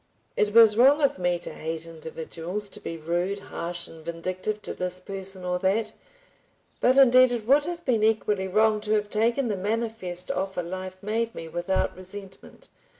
It was wrong of me to hate individuals, to be rude, harsh, and vindictive to this person or that, but indeed it would have been equally wrong to have taken the manifest offer life made me, without resentment.